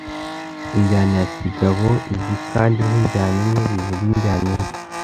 injyana ya kigabo, izwi kandi nk'injyana imwe, bivuga injyana imwe